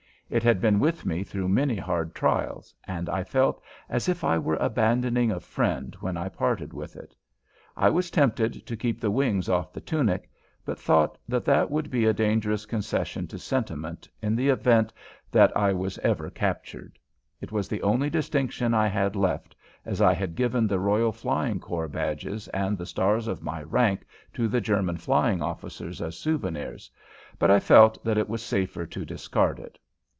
It had been with me through many hard trials, and I felt as if I were abandoning a friend when I parted with it. I was tempted to keep the wings off the tunic, but thought that that would be a dangerous concession to sentiment in the event that I was ever captured. It was the only distinction I had left, as I had given the Royal Flying Corps badges and the stars of my rank to the German Flying Officers as souvenirs, but I felt that it was safer to discard it.